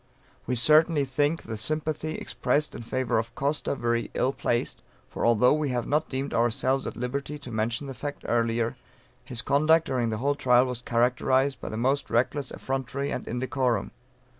We certainly think the sympathy expressed in favor of Costa very ill placed, for although we have not deemed ourselves at liberty to mention the fact earlier, his conduct during the whole trial was characterized by the most reckless effrontery and indecorum.